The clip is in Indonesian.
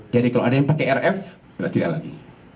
jadi kalau ada yang pakai rf tidak lagi